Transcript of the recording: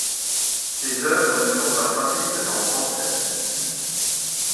Ses œuvres ne sont pas traduites en français.